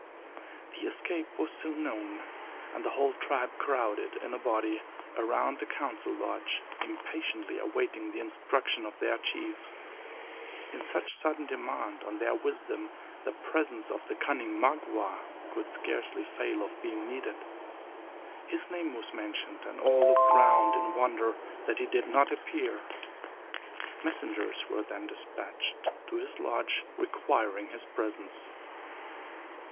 The escape was soon known; and the whole tribe crowded, in a body, around the council lodge, impatiently awaiting the instruction of their chiefs. In such a sudden demand on their wisdom, the presence of the cunning Magua could scarcely fail of being needed. His name was mentioned, and all looked round in wonder that he did not appear. Messengers were then despatched to his lodge requiring his presence.